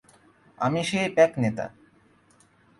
আমি সেই প্যাক নেতা।